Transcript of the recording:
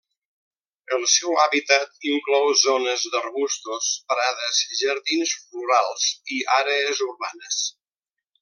El seu hàbitat inclou zones d'arbustos, prades, jardins rurals i àrees urbanes.